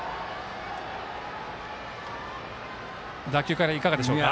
打球からいかがでしょうか？